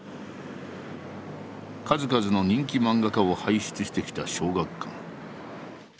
数々の人気漫画家を輩出してきた小学館。